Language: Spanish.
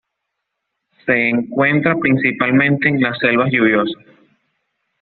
Se encuentra principalmente en las selvas lluviosas.